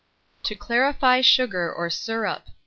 TO CLARIFY SUGAR OR SYRUP.